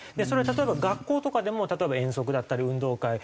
それは例えば学校とかでも例えば遠足だったり運動会。